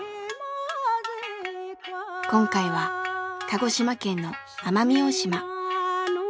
今回は鹿児島県の奄美大島。